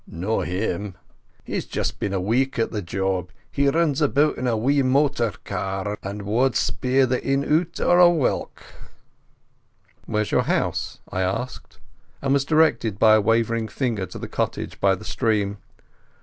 "No him. He's just been a week at the job. He rins about in a wee motor cawr, and wad speir the inside oot o' a whelk." "Where's your house?" I asked, and was directed by a wavering finger to the cottage by the stream.